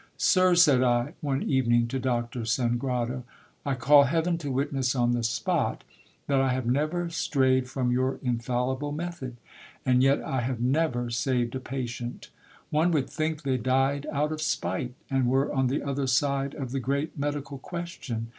Sir, said I, one evening to Doctor Sangrado, I call heaven to wit ness on the spot that I have never strayed from your infallible method ; and yet I have never saved a patient : one would think they died out of spite, and were on the other side of the great medical question.